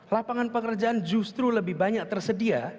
lapangan pekerjaan justru lebih banyak tersedia